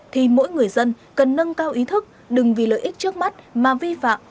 thì mỗi người dân cần nâng cao ý thức đừng vì lợi ích trước mắt mà vi phạm